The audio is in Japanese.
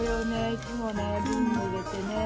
いつもね瓶に入れてね」